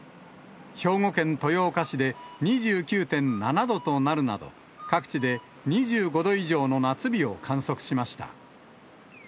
兵庫県豊岡市で２９．７度となるなど、各地で２５度以上の夏日を観測しました。